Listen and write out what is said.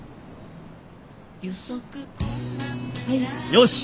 よし！